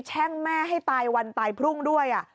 แช่งแม่ให้ตายวันตายพรุ่งด้วย